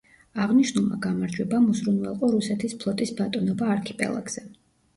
აღნიშნულმა გამარჯვებამ უზრუნველყო რუსეთის ფლოტის ბატონობა არქიპელაგზე.